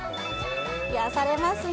癒やされますね。